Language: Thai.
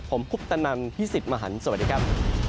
ผมคุปตนันพี่สิทธิ์มหันฯสวัสดีครับ